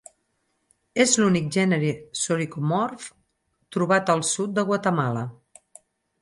És l'únic gènere soricomorf trobat al sud de Guatemala.